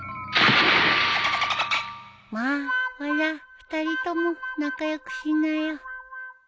まあほら２人とも仲良くしなよ。